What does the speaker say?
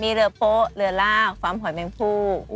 มีเรือโป๊ะเรือลากฟาร์มหอยแมงพู